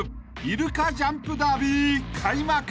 ［イルカジャンプダービー開幕］